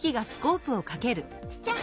スチャッ！